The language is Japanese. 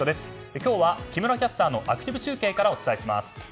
今日は木村キャスターのアクティブ中継からお伝えします。